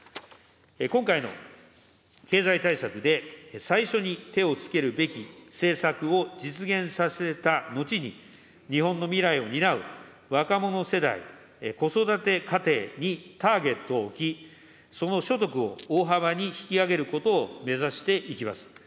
今回の経済対策で最初に手をつけるべき政策を実現させた後に、日本の未来を担う若者世代・子育て家庭にターゲットを置き、その所得を大幅に引き上げることを目指していきます。